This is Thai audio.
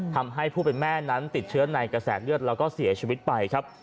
ทำให้ผู้เป็นแม่นั้นติดเชื้อในกระแสเลือดแล้วก็เสียชีวิตไปครับ